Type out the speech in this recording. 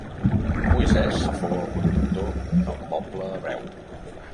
Moisès fou el conductor del poble hebreu.